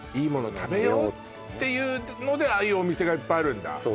食べようっていうのでああいうお店がいっぱいあるんだそう